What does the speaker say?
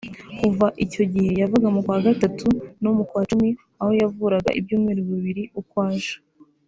Kuva icyo gihe yazaga mu kwa Gatatu no mu kwa Cumi aho yavuraga ibyumweru bibiri uko aje